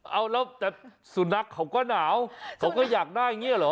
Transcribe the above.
เอาแล้วแต่สุนัขเขาก็หนาวเขาก็อยากได้อย่างนี้เหรอ